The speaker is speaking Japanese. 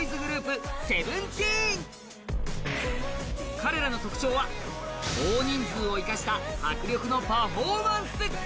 彼らの特徴は大人数を生かした迫力のパフォーマンス。